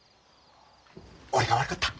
俺が悪かった。